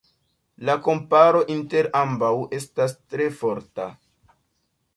La komparo inter ambaŭ estas tre forta.